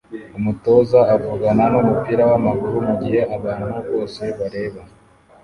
Umutoza avugana numupira wamaguru mugihe abantu bose bareba